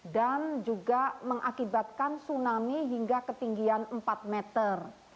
dan juga mengakibatkan tsunami hingga ketinggian empat meter